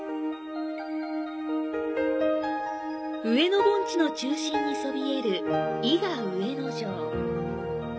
上野盆地の中心にそびえる伊賀上野城。